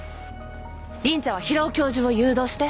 凛ちゃんは平尾教授を誘導して。